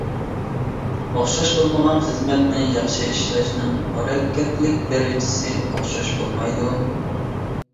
ئوخشاش بولمىغان خىزمەتنى ياخشى ئىشلەشنىڭ مۇرەككەپلىك دەرىجىسى ئوخشاش بولمايدۇ.